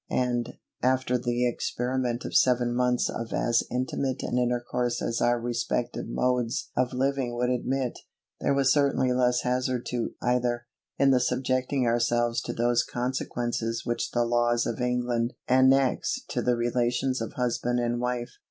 And, after the experiment of seven months of as intimate an intercourse as our respective modes of living would admit, there was certainly less hazard to either, in the subjecting ourselves to those consequences which the laws of England annex to the relations of husband and wife.